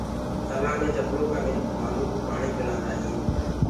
تلآه مي جبلو ڪآ مِنک مآلو ڪوُ پآڻي پِلآندآ هينٚ۔